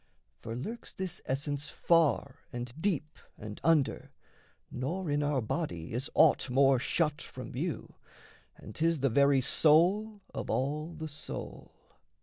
For lurks this essence far and deep and under, Nor in our body is aught more shut from view, And 'tis the very soul of all the soul.